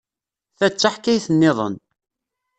Ta d taḥkayt niḍen.